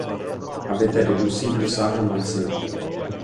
Aby tedy dusík dosáhl max.